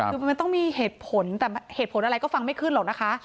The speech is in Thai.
คือมันต้องมีเหตุผลแต่เหตุผลอะไรก็ฟังไม่ขึ้นหรอกนะคะ